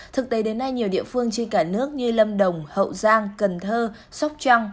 thực tế đến nay nhiều địa phương trên cả nước như lâm đồng hậu giang cần thơ sóc trăng